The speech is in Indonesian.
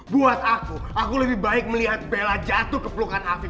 buat aku aku lebih baik melihat bella jatuh ke pelukan afif